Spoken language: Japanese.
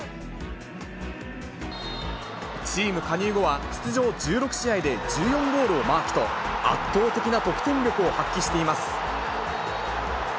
チーム加入後は、出場１６試合で１４ゴールをマークと、圧倒的な得点力を発揮しています。